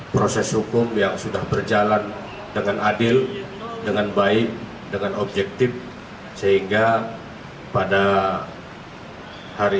proses hukum yang sudah berjalan dengan adil dengan baik dengan objektif sehingga pada hari